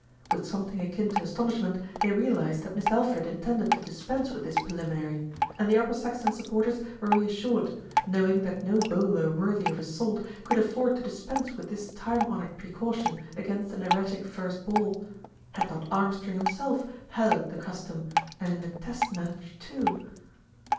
With something akin to astonishment, they realised that Mist' Alfred intended to dispense with this preliminary, and the Upper Saxton supporters were reassured, knowing that no bowler worthy of his salt could afford to dispense with this time honoured precaution against an erratic first ball. Had not Arm strong himself hallowed the cuctom, and in a Test Match too?